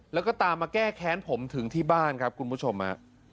แล้วก็ตามมาแก้แค้นผมถึงที่บ้านครับคุณผู้ชมฮะ